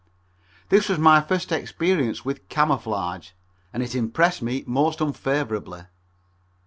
This was my first experience with camouflage, and it impressed me most unfavorably.